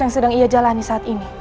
yang sedang ia jalani saat ini